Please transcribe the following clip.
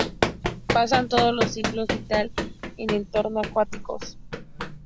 Pasan todo el ciclo vital en entornos acuáticos.